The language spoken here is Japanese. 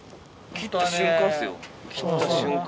切った瞬間。